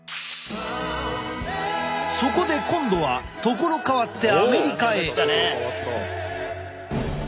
そこで今度は所変わってアメリカへ！